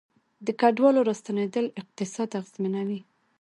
د کډوالو راستنیدل اقتصاد اغیزمنوي